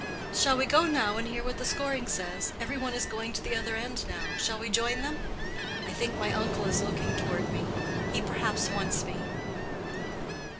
"Shall we go now and hear what the scoring says? Every one is going to the other end now—shall we join them? I think my uncle is looking toward me. He perhaps wants me."